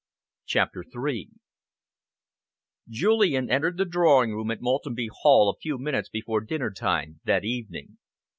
CHAPTER III Julian entered the drawing room at Maltenby Hall a few minutes before dinner time that evening.